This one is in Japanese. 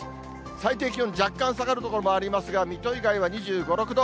最低気温、若干下がる所もありますが、水戸以外は２５、６度。